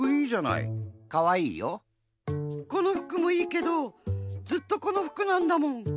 この服もいいけどずっとこの服なんだもん。